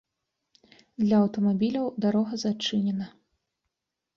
Для аўтамабіляў дарога зачынена.